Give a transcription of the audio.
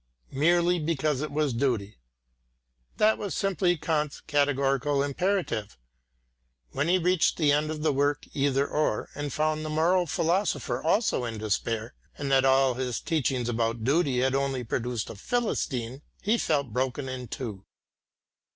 merely because it was duty. That was simply Kant's categorical imperative. When he reached the end of the work Either Or and found the moral philosopher also in despair, and that all this teaching about duty had only produced a Philistine, he felt broken in two.